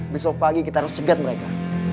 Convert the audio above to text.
besok pagi kita harus cegat mereka